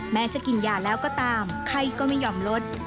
แม้จะกินยาแล้วก็ตามไข้ก็ไม่ยอมลด